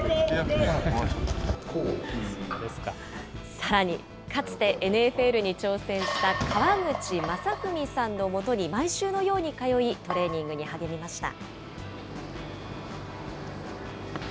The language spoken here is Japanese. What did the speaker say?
さらに、かつてＮＦＬに挑戦した河口正史さんのもとに毎週のように通い、トレーニングに励みました。